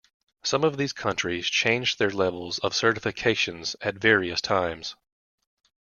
Some of the countries changed their levels of certifications at various times.